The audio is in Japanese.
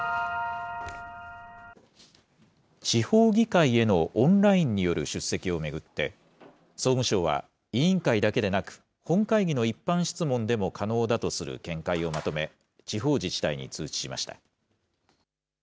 地方議会へのオンラインによる出席を巡って、総務省は、委員会だけでなく、本会議の一般質問でも可能だとする見解をまとめ、地方自治体に通知しました。